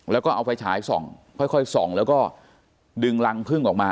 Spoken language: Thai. แล้วก็เอาไฟฉายส่องค่อยส่องแล้วก็ดึงรังพึ่งออกมา